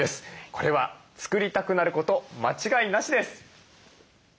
これは作りたくなること間違いなしです。